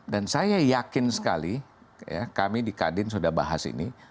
dan saya yakin sekali kami di kadin sudah bahas ini